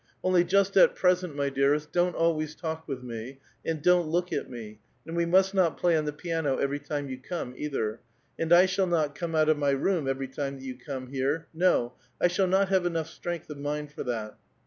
Only just at present, ™y Nearest,® don't always talk with me, and don't look at ™®» and we must not play on the piano ever} time you come, eitliei*. And I shall not come out of my room every time ^^ yovL come here ; no, I shall not have enough strength . tnind for that.